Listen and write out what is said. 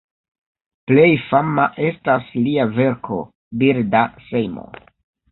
Plej fama estas lia verko "Birda sejmo".